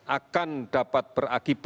akan dapat berakibat